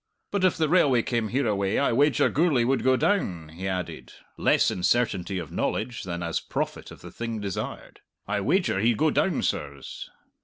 But if the railway came hereaway I wager Gourlay would go down," he added, less in certainty of knowledge than as prophet of the thing desired. "I wager he'd go down, sirs."